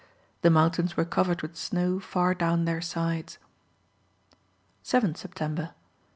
The mountains were covered with snow far down their sides. 7th September.